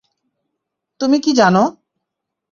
তুমি কী জানো?